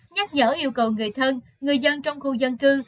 nhắc nhở yêu cầu người thân người dân trong khu dân cư